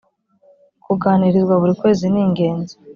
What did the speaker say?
kuganirizwa buri kwezi ningenzi.